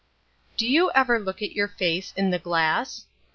_ Do you ever look at your face in the glass?